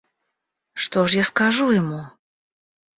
Что ж я скажу ему?